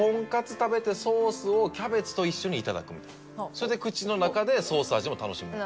それで口の中でソース味も楽しむ。